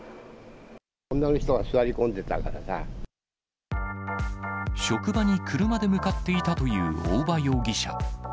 女の人が座り込んでたからさ職場に車で向かっていたという大場容疑者。